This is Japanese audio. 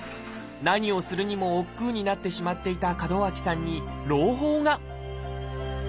何をするにもおっくうになってしまっていた門脇さんに朗報が！